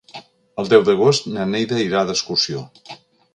El deu d'agost na Neida irà d'excursió.